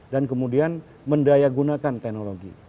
dan kemudian mendayagunakan teknologi